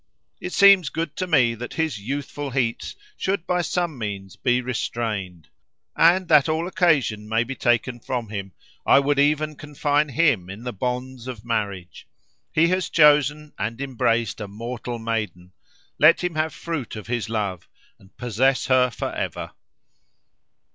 It seems good to me that his youthful heats should by some means be restrained. And that all occasion may be taken from him, I would even confine him in the bonds of marriage. He has chosen and embraced a mortal maiden. Let him have fruit of his love, and possess her for ever."